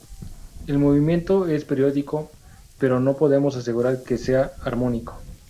El movimiento es periódico, pero no podemos asegurar que sea armónico.